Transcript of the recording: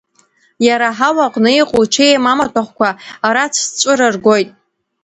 Иара аҳауа аҟны иҟоу иҽеим амаҭәахәқәа арацәҵәҵәыра ргоит.